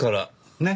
ねっ？